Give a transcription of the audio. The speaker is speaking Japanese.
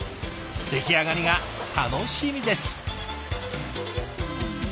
出来上がりが楽しみです。